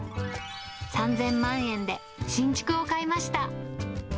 ３０００万円で新築を買いました。